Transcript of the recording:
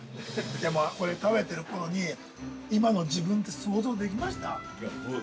◆これでも、食べてる頃に今の自分て、想像できました？